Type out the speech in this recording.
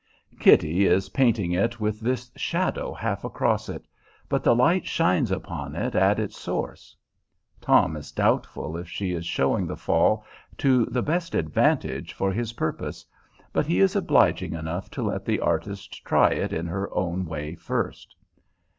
Kitty is painting it with this shadow half across it; but the light shines upon it at its source. Tom is doubtful if she is showing the fall to the best advantage for his purpose, but he is obliging enough to let the artist try it in her own way first.